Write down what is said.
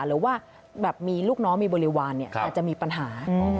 หรือว่าแบบมีลูกน้องมีบริวารอาจจะมีปัญหา